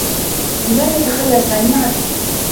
لماذا تخلّى سامي عنّي؟